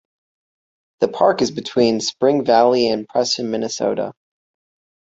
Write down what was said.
The park is between Spring Valley and Preston, Minnesota.